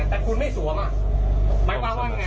แต่คุณไม่สวมหมายความว่ายังไง